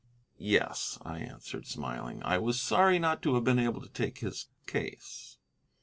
"Yes," I answered, smiling, "I was sorry not to have been able to take his case."